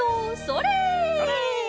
それ！